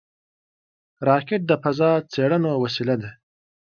راکټ د فضا څېړنو وسیله ده